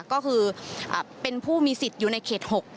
ก็คือเป็นผู้มีสิทธิ์อยู่ในเขต๖